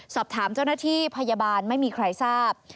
สอบถามเจ้าหน้าที่พยาบาลไม่มีใครทราบ